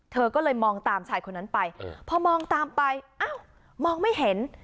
เธอก็เลยมองตามชายคนนั้นไปพอมองตามไปอ้าวมองไม่เห็น